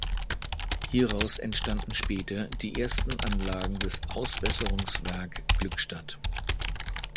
Hieraus entstanden später die ersten Anlagen des Ausbesserungswerk Glückstadt.